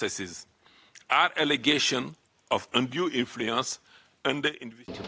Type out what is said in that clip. apakah alasan dari pengaruh yang tidak terhadap